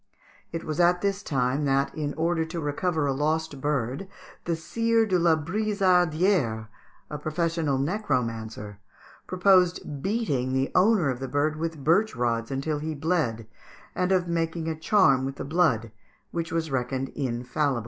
It was at this time that, in order to recover a lost bird, the Sire de la Brizardière, a professional necromancer, proposed beating the owner of the bird with birch rods until he bled, and of making a charm with the blood, which was reckoned infallible.